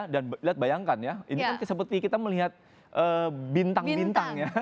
dan bayangkan ya ini kan seperti kita melihat bintang bintang ya